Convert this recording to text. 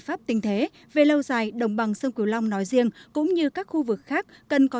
pháp tình thế về lâu dài đồng bằng sông cửu long nói riêng cũng như các khu vực khác cần có